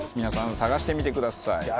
皆さん探してみてください。